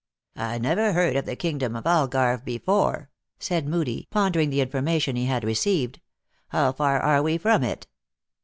" I never heard of the kingdom of Algarve before," said Moodie, pondering the information he had re ceived. " How far are we from it